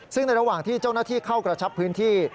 ซึ่งในระหว่างที่เจ้าหน้าที่เข้ากระชับพื้นที่